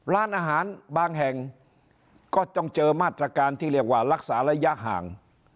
ร้านอาหารบางแห่งก็ต้องเจอมาตรการที่เรียกว่ารักษาระยะห่าง